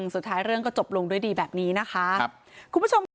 สุดท้ายเรื่องก็จบลงด้วยดีแบบนี้นะคะครับ